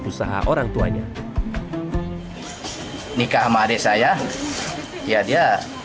usaha orang tuanya nikah sama adik saya ya dia